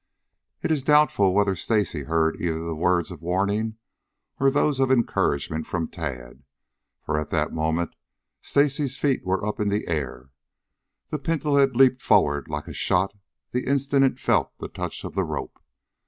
It is doubtful whether Stacy heard either the words of warning or those of encouragement from Tad, for at that moment Stacy's feet were up in the air. The pinto had leaped forward like a shot the instant it felt the touch of the rope.